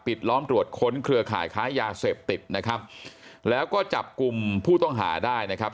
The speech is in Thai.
ล้อมตรวจค้นเครือข่ายค้ายาเสพติดนะครับแล้วก็จับกลุ่มผู้ต้องหาได้นะครับ